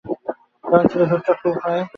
এই অঞ্চলে ধুতরা খুব হয়।